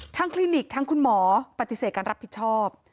คลินิกทางคุณหมอปฏิเสธการรับผิดชอบ